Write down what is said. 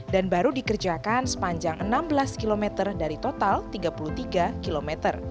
dan baru dikerjakan sepanjang enam belas km dari total tiga puluh tiga km